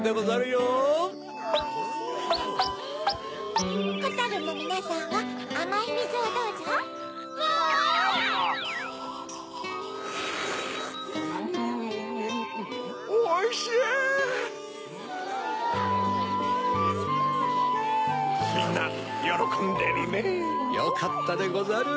よかったでござる。